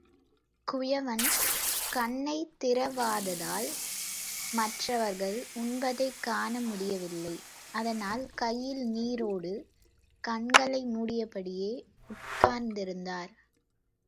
குயவன் கண்ணைத் திறவாததால், மற்றவர்கள் உண்பதைக் காண முடியவில்லை, அதனால் கையில் நீரோடு கண்ணை மூடியபடியே உட்கார்ந்திருந்தார்.